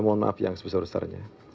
mohon maaf yang sebesar besarnya